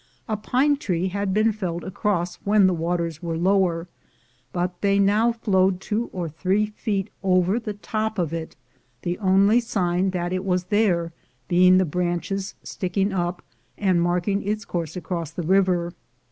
A pine tree had been felled across when the waters were lower, but they now flowed two or three feet over the top of it — the only sign that it was there being the branches sticking up, and marking its course across the river.